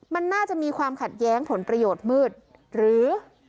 มันน่าจะมีความขัดแย้งผลประโยชน์มืดหรือ